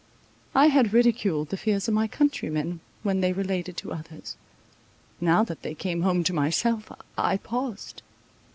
I had ridiculed the fears of my countrymen, when they related to others; now that they came home to myself, I paused.